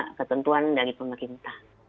itu ketentuan dari pemerintah